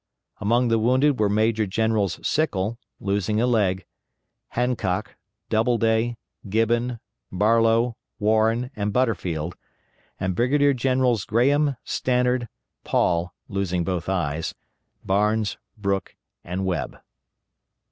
Among the wounded were Major Generals Sickles (losing a leg), Hancock, Doubleday, Gibbon, Barlow, Warren, and Butterfield, and Brigadier Generals Graham, Stannard, Paul (losing both eyes), Barnes, Brooke, and Webb.